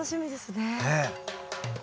ねえ。